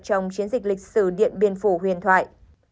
trong chiến dịch lịch sử điện biên phủ huyền thoại